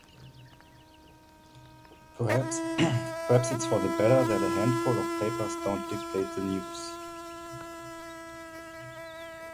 Perhaps it's for the better that a handful of papers don't dictate the news.